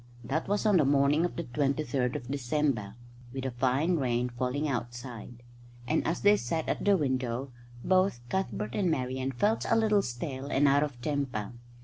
That was on the morning of the 23rd of December, with a fine rain falling outside; and as they sat at the window both Cuthbert and Marian felt a little stale and out of temper.